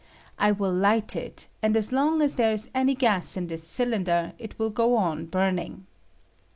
I will light it, and as long as there is any gas in this cylinder it will go on burning.